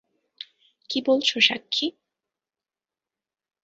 কি বলছ সাক্ষী?